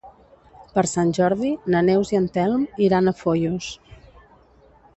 Per Sant Jordi na Neus i en Telm iran a Foios.